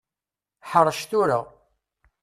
Ḥrec tura.